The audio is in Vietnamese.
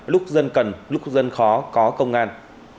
lúc dân cần lúc dân khó có công an